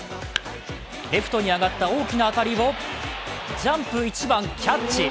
レフトに上がった大きな当たりをジャンプ一番キャッチ。